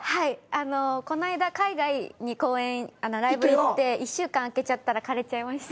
あのこないだ海外に公演ライブ行って１週間空けちゃったら枯れちゃいました。